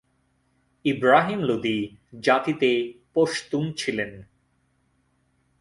ইবরাহিম লোদি জাতিতে পশতুন ছিলেন।